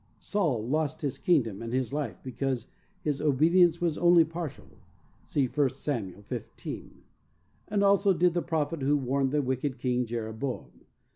Saul lost his kingdom and his life because his obedience was only partial. (See i Sam. 15.) So also did the prophet who warned the wicked King Jeroboam.